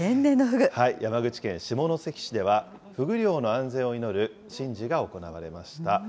山口県下関市では、フグ漁の安全を祈る神事が行われました。